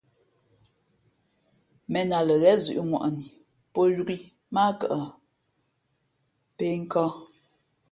̀mēn a lα ghén zʉ̄ʼŋwαni pō yōk ǐ mά ǎ kα pēh nkᾱᾱ.